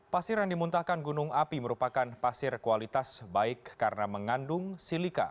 pasir yang dimuntahkan gunung api merupakan pasir kualitas baik karena mengandung silika